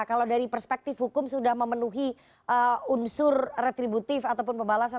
kalau dari perspektif hukum sudah memenuhi unsur retributif ataupun pembalasan